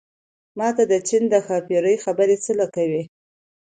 ما ته د چين د ښاپېرو خبرې څه له کوې